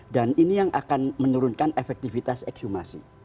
dan ini yang akan menurunkan efektifitas ekshumasi